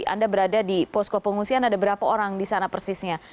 anda berada di posko pengungsian ada berapa orang di sana persisnya